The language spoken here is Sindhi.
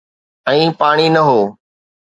۽ پاڻي نه هو.